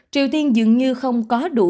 triều tiên dường như không có đủ